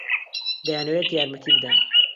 دەیانەوێت یارمەتی بدەن.